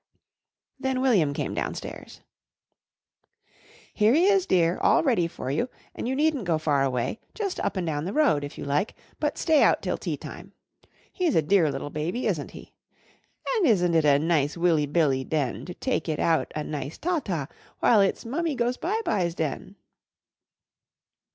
Then William came downstairs. "Here he is, dear, all ready for you, and you needn't go far away just up and down the road, if you like, but stay out till tea time. He's a dear little baby, isn't he? And isn't it a nice Willy Billy den, to take it out a nice ta ta, while it's mummy goes bye byes, den?"